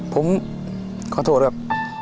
ผมขอโทษครับ